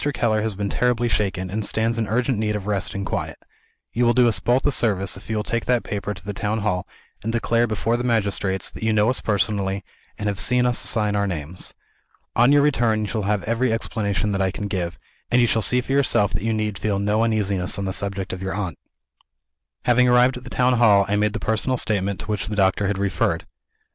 Keller has been terribly shaken, and stands in urgent need of rest and quiet. You will do us both a service if you will take that paper to the town hall, and declare before the magistrates that you know us personally, and have seen us sign our names. On your return, you shall have every explanation that I can give; and you shall see for yourself that you need feel no uneasiness on the subject of your aunt." Having arrived at the town hall, I made the personal statement to which the doctor had referred.